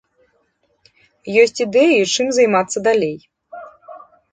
Ёсць ідэі, чым займацца далей.